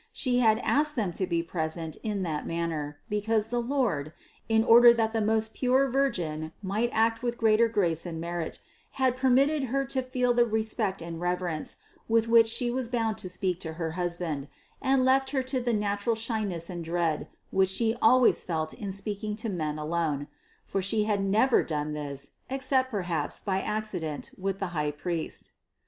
She had asked them to be present in that man ner, because the Lord, in order that the most pure Vir 580 CITY OF GOD gin might act with greater grace and merit, had per mitted her to feel the respect and reverence, with which She was bound to speak to her husband and left her to the natural shyness and dread, which She always felt in speaking to men alone; for She had never done this, except perhaps by accident with the highpriest.